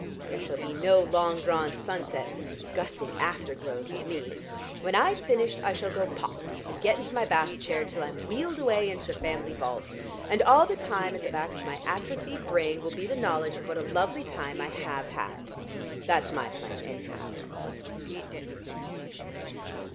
There shall be no long drawn sunsets and disgusting after glows with me. When I've finished I shall go 'pop,' and get into my bath chair till I'm wheeled away into the family vault. And all the time at the back of my atrophied brain will be the knowledge of what a lovely time I have had. That's my plan, anyhow."